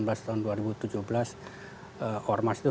ormas itu harus apa namanya